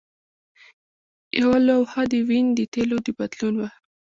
یوه لوحه د وین د تیلو د بدلون وه